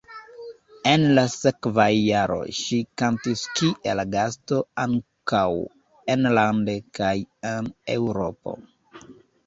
En la sekvaj jaroj ŝi kantis kiel gasto ankaŭ enlande kaj en Eŭropo.